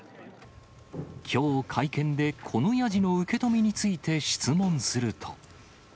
きょう会見で、このやじの受け止めについて質問すると。